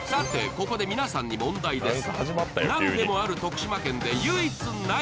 ここで皆さんに問題です